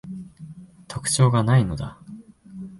特徴が無いのだ